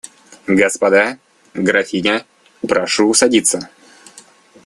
Господа, графиня, прошу садиться.